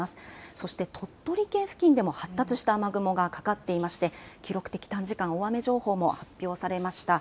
そして鳥取県付近でも発達した雨雲がかかっていまして記録的短時間大雨情報も発表されました。